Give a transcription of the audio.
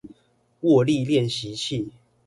握力練習器